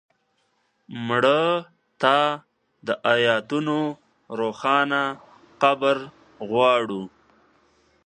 مړه ته د آیتونو روښانه قبر غواړو